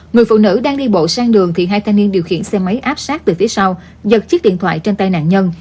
người phụ nữ đang đi bộ sang đường thì hai thanh niên điều khiển xe máy áp sát từ phía sau giật chiếc điện thoại trên tay nạn nhân